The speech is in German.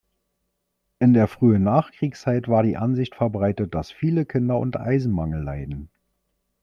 In der frühen Nachkriegszeit war die Ansicht verbreitet, dass viele Kinder unter Eisenmangel leiden.